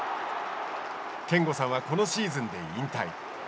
憲剛さんはこのシーズンで引退。